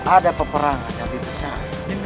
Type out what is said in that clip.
ada peperangan yang lebih besar